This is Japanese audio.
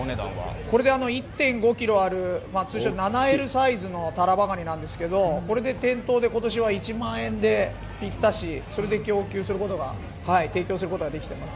これで、１．５ｋｇある通称７Ｌサイズのタラバガニなんですけど店頭で今年は１万円ぴったしで提供することができています。